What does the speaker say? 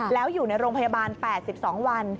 แล้วอยู่ในโรงพยาบาล๘๒วัน